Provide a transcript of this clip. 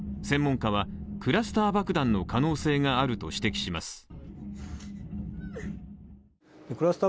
専門家はクラスター爆弾の可能性があると指摘します。